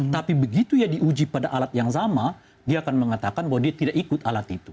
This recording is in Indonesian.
tapi begitu ya diuji pada alat yang sama dia akan mengatakan bahwa dia tidak ikut alat itu